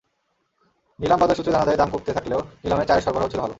নিলাম বাজার সূত্রে জানা যায়, দাম কমতে থাকলেও নিলামে চায়ের সরবরাহ ছিল ভালো।